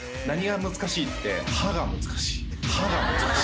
何が難しいって、歯が難しい。